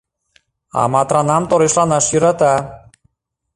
А Матранам торешланаш йӧрата.